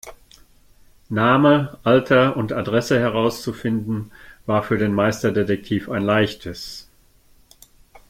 Name, Alter und Adresse herauszufinden, war für den Meisterdetektiv ein Leichtes.